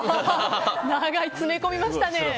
長い、詰め込みましたね。